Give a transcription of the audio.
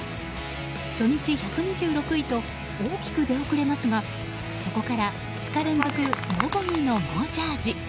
初日１２６位と大きく出遅れますがそこから２日連続ノーボギーの猛チャージ。